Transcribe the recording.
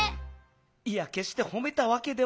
いやけっしてほめたわけでは。